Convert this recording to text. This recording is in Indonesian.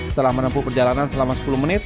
setelah menempuh perjalanan selama sepuluh menit